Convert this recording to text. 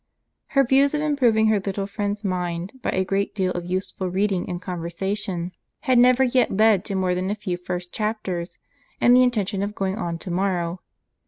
Her views of improving her little friend's mind, by a great deal of useful reading and conversation, had never yet led to more than a few first chapters, and the intention of going on to morrow.